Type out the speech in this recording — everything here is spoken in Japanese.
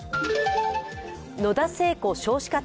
野田聖子